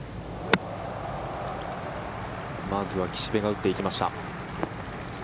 まずは岸部が打っていきました。